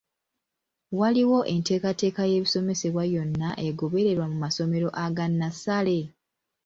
Waliwo enteekateeka y’ebisomesebwa yonna egobererwa mu masomero aga nnassale?